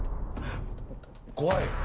怖い。